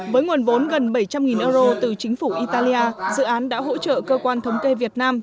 với nguồn vốn gần bảy trăm linh euro từ chính phủ italia dự án đã hỗ trợ cơ quan thống kê việt nam